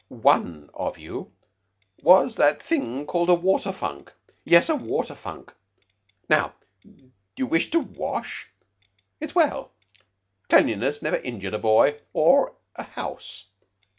"One of you was that thing called a water funk. Yes, a water funk. So now you wish to wash? It is well. Cleanliness never injured a boy or a house.